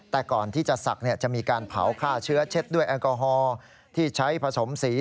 แต่ก่อนที่จะศักดิ์จะมีการเผาฆ่าเชื้อเช็ดด้วยแอลกอฮอล์ที่ใช้ผสมสี